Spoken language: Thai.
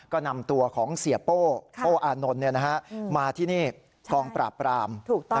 ก็นำตัวของเสียโป้โป้อานนท์มาที่นี่กองปราบปราม